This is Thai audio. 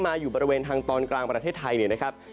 อยู่บริเวณทางตอนกลางประเทศไทยเนี่ยนะครับ